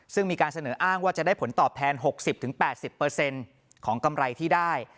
ซึ่งมีการเสนออ้างว่าจะได้ผลตอบแทน๖๐๘๐ของกำไรที่ได้